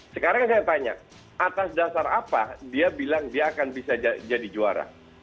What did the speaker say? sekarang saya tanya atas dasar apa dia bilang dia akan bisa jadi juara